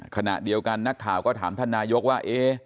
ขณะเดียวกันนักข่าวก็ถามท่านนายกว่า